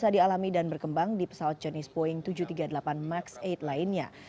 dan berkembang di pesawat jenis boeing tujuh ratus tiga puluh delapan max delapan lainnya